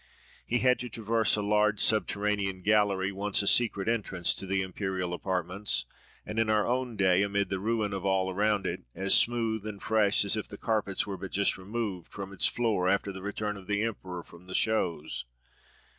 He had to traverse a long subterranean gallery, once a secret entrance to the imperial apartments, and in our own day, amid the ruin of all around it, as smooth and fresh as if the carpets were but just removed from its floor after the return of the emperor from the shows.